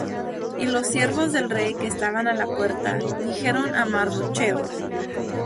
Y los siervos del rey que estaban á la puerta, dijeron á Mardochêo: